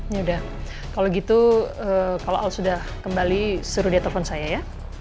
ya udah kalau gitu kalau al sudah kembali suruh dia telpon saya ya